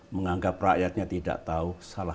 menganggap rakyatnya tidak tahu